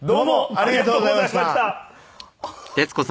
ありがとうございます。